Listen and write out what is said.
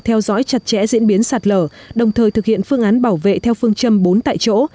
theo dõi chặt chẽ diễn biến sạt lở đồng thời thực hiện phương án bảo vệ theo phương châm bốn tại chỗ